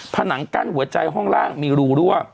ผนังกั้นหัวใจห้องล่างมีรูรั่ว